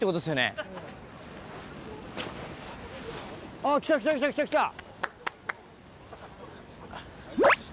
あっ来た来た来た来た来た。